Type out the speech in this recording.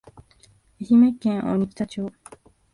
愛媛県鬼北町